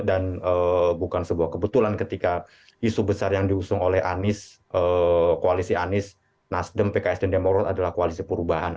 dan bukan sebuah kebetulan ketika isu besar yang diusung oleh anies koalisi anies nasdem pks dan demorod adalah koalisi perubahan